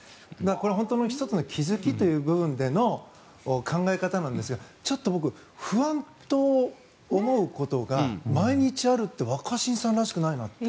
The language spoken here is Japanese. これは本当の１つの気付きという部分での考え方なんですがちょっと僕不安と思うことが毎日あるって若新さんらしくないなって。